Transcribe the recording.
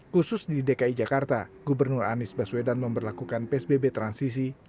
khusus di dki jakarta gubernur anies baswedan memperlakukan psbb transisi